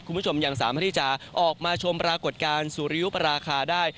คุณผู้ชมยังสามารถที่จะออกมาชมปรากฏการณ์สุริยุปราคาได้